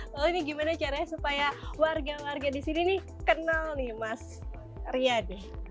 lalu ini gimana caranya supaya warga warga di sini nih kenal nih mas rian